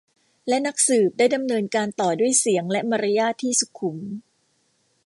และนักสืบได้ดำเนินการต่อด้วยเสียงและมารยาทที่สุขุม